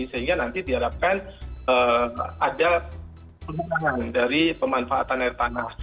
sehingga nanti diharapkan ada pengurangan dari pemanfaatan air tanah